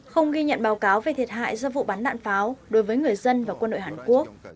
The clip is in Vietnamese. không ghi nhận báo cáo về thiệt hại do vụ bắn đạn pháo đối với người dân và quân đội hàn quốc